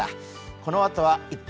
このあとは「１分！